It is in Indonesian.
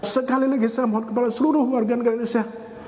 sekali lagi saya mohon kepada seluruh warga negara indonesia